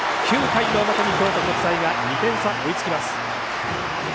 ９回の表に京都国際が２点差を追いつきます。